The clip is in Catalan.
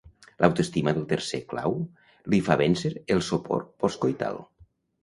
L'autoestima del tercer clau li fa vèncer el sopor postcoital.